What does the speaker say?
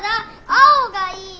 青がいい！